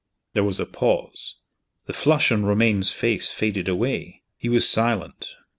There was a pause. The flush on Romayne's face faded away. He was silent.